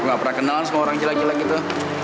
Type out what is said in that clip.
gue gak pernah kenal sama orang jelek jelek gitu